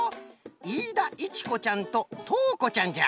いいだいちこちゃんととうこちゃんじゃ。